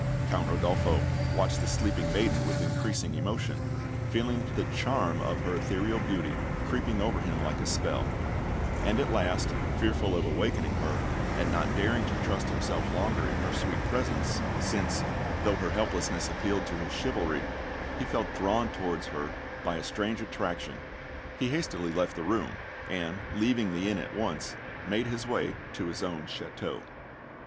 Count Rodolpho watched the sleeping maiden with increasing emotion, feeling the charm of her ethereal beauty creeping over him like a spell; and at last, fearful of awakening her, and not daring to trust himself longer in her sweet presence, since, though her helplessness appealed to his chivalry, he felt drawn towards her by a strange attraction, he hastily left the room, and, leaving the inn at once, made his way to his own château.